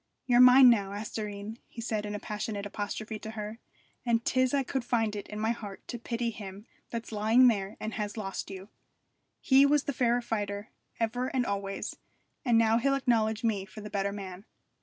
'You're mine now, asthoreen,' he said in a passionate apostrophe to her, 'and 'tis I could find it in my heart to pity him that's lying there and has lost you. He was the fair fighter ever and always, and now he'll acknowledge me for the better man.'